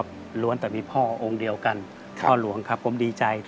จะมีพ่อองค์เดียวกันเท่าหลวงครับผมดีใจ